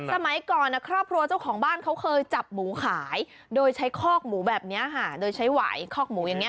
สมัยก่อนครอบครัวเจ้าของบ้านเขาเคยจับหมูขายโดยใช้คอกหมูแบบนี้ค่ะโดยใช้หวายคอกหมูอย่างนี้